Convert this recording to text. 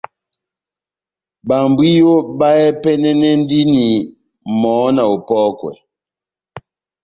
Babwiyo bahɛpɛnɛnɛndini mɔhɔ́ na opɔ́kwa